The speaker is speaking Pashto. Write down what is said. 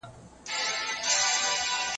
انټرنیټ د خبرونو په خپرولو کې مرسته کوي.